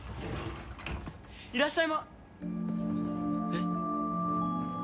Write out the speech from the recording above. いらっしゃいまえっ？